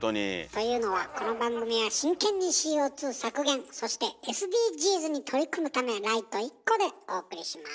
というのはこの番組は真剣にＣＯ削減そしてＳＤＧｓに取り組むためライト１個でお送りします。